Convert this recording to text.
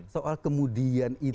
soal kemudian itu